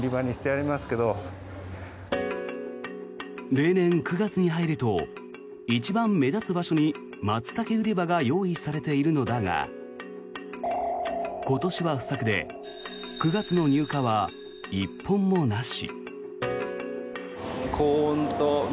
例年、９月に入ると一番目立つ場所にマツタケ売り場が用意されているのだが今年は不作で９月の入荷は１本もなし。